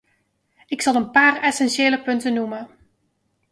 Ik zal een paar essentiële punten noemen.